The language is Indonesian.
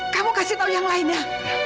kamu kasih tahu yang lainnya